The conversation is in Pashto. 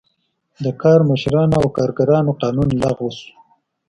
د کارمشرانو او کارګرانو قانون لغوه شو.